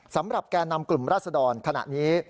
สำหรับแก่นำกลุ่มรัฐศดรณ์ขณะนี้